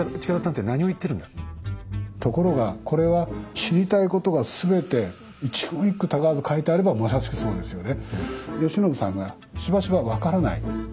ところがこれは知りたいことがすべて一言一句たがわず書いてあればまさしくそうですよね。